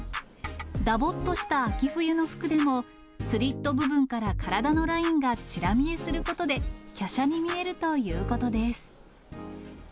だぼっとした秋冬の服でも、スリット部分から体のラインがちら見えすることで、きゃしゃに見えるということです。